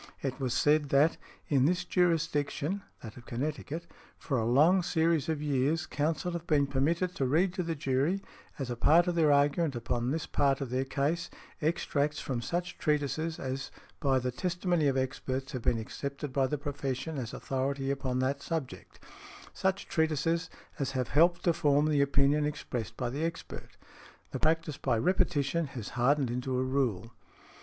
It was said that "in this jurisdiction (that of Connecticut) for a long series of years counsel have been permitted to read to the jury, as a part of their argument upon this part of their case, extracts from such treatises as by the testimony of experts have been accepted by the profession as authority upon that subject, such treatises as have helped to form the opinion expressed by the expert. The practice by repetition has hardened into a rule" .